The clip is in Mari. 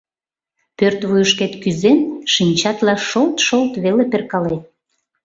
Пӧрт вуйышкет кӱзен шинчатла шолт-шолт веле перкалет.